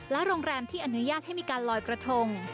โรงแรมที่อนุญาตให้มีการลอยกระทง